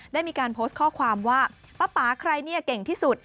ได้มีการโพสต์ข้อความว่าป๊าใครเนี่ยเก่งที่สุด